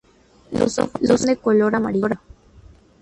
Los ojos son de color amarillo.